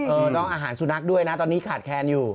น้องอาหารสุนัขด้วยนะตอนนี้ขาดแคลนอยู่